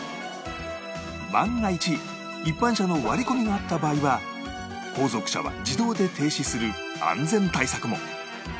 万が一一般車の割り込みがあった場合は後続車は自動で停止する安全対策も